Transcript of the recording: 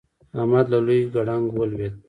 احمد له لوی ګړنګ ولوېد.